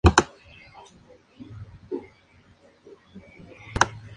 Hay guarderías, puentes, y esculturas en el agua.